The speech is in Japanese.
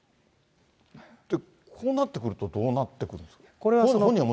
こうなってくると、どうなってくるんですか。